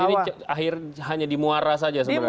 jadi ini akhirnya hanya dimuara saja sebenarnya